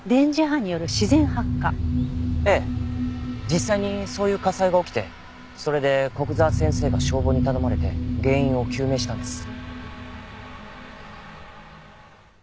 実際にそういう火災が起きてそれで古久沢先生が消防に頼まれて原因を究明したんです。